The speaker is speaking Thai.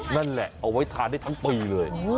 นั่นแหละเอาไว้ทานได้ทั้งปีเลย